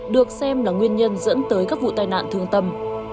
được xem là nguyên nhân dẫn tới các vụ tai nạn thương tâm